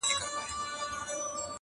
خلاصول يې خپل ځانونه اولادونه-